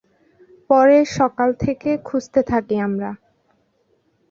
পরে সকাল থেকে খুঁজতে থাকি আমরা।